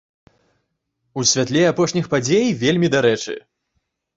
У святле апошніх падзей вельмі дарэчы!